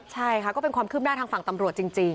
ใช่ค่ะก็เป็นความคืบหน้าทางฝั่งตำรวจจริง